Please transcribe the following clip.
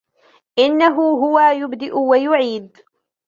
إنه هو يبدئ ويعيد